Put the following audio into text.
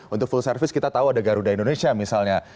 untuk full service kita tahu ada garuda indonesia misalnya